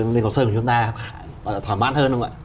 linh hồ sơn của chúng ta thỏa mãn hơn không ạ